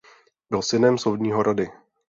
Byl synem soudního rady.